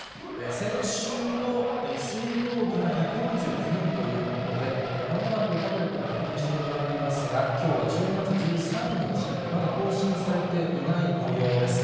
先週の水曜日が１４９人ということで、まもなくタブレットで確認してまいりますが、きょうは１０月１３日、まだ更新されていないもようです。